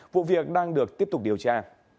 vụ việc đang được tiếp tục điều tra